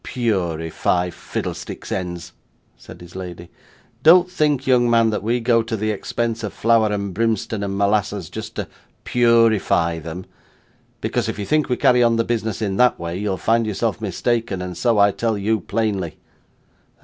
'Purify fiddlesticks' ends,' said his lady. 'Don't think, young man, that we go to the expense of flower of brimstone and molasses, just to purify them; because if you think we carry on the business in that way, you'll find yourself mistaken, and so I tell you plainly.